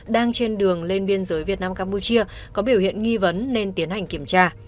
đang trên đường lên biên giới việt nam campuchia có biểu hiện nghi vấn nên tiến hành kiểm tra